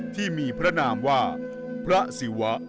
ที่มีพระนามว่าพระศิวะ